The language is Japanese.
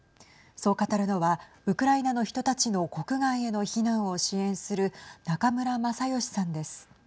そう語るのはウクライナの人たちの国外への避難を支援する中村正善さんです。